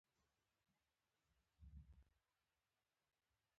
جنسي مسایل زموږ په ټولنه کې تابو ګڼل کېږي.